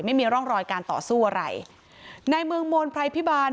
ไม่มีร่องรอยการต่อสู้อะไรในเมืองมนต์ไพรพิบาล